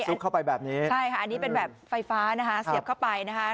เข้าไปแบบนี้ใช่ค่ะอันนี้เป็นแบบไฟฟ้านะคะเสียบเข้าไปนะคะ